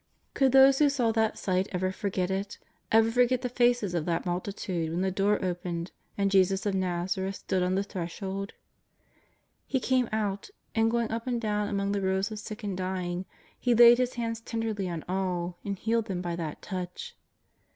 Could those who saw that sight ever forget it, ever forget the faces of that multitude when the door opened and Jesus of Xazareth stood on the threshold ? He came out, and, going up and down among the rows of sick and dying, laid His hands tenderly on all and healed them by that touch.